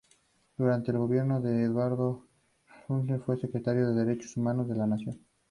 Durante el gobierno de Eduardo Duhalde fue Secretario de Derechos Humanos de la Nación.